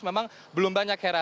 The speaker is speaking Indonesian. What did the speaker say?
memang belum banyak hera